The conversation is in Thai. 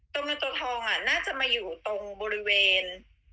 ตัวเงินตัวทองน่าจะมาอยู่ตรงบริเวณ